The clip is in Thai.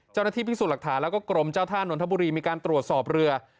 เจ้าหน้าที่พิสูจน์หลักฐานแล้วก็กรมเจ้าท่านนทบุรีมีการตรวจสอบเรือ